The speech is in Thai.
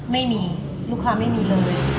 ไม่มีลูกค้าไม่มีเลย